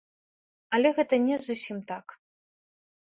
Але гэта не зусім так.